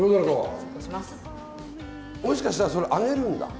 もしかしたらそれ揚げるんだ？